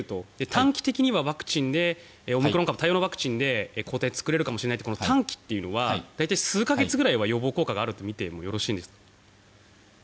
短期的にはオミクロン株対応のワクチンで抗体を作れるかもしれないというのは短期というのは数か月ぐらいは予防効果があるとみてよろしいですか？